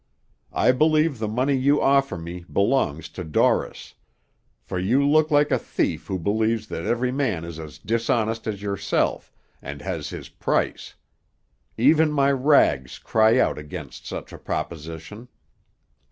I believe the money you offer me belongs to Dorris; for you look like a thief who believes that every man is as dishonest as yourself, and has his price. Even my rags cry out against such a proposition.'